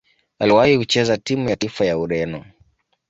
Aliwahi kucheza timu ya taifa ya Ureno.